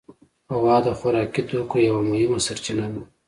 غوا د خوراکي توکو یوه مهمه سرچینه ده.